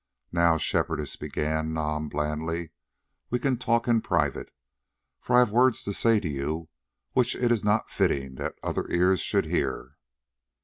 "Now, Shepherdess," began Nam blandly, "we can talk in private, for I have words to say to you which it is not fitting that other ears should hear."